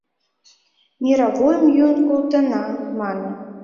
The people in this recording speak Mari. «Мировойым йӱын колтена», — мане...